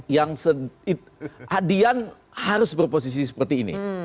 yang adian harus berposisi seperti ini